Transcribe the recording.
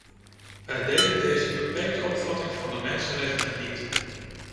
Wij delen deze beperkte opvatting van de mensenrechten niet.